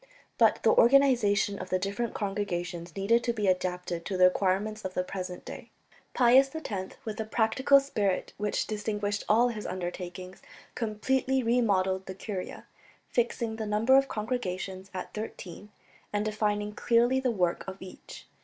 But the organization of the different congregations needed to be adapted to the requirements of the present day. Pius X, with the practical spirit which distinguished all his undertakings, completely remodelled the curia, fixing the number of congregations at thirteen, and defining clearly the work of each.